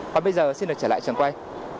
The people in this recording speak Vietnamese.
và bây giờ xin được trở lại trường quay